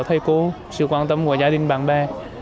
thầy cô sự quan tâm của gia đình bạn bè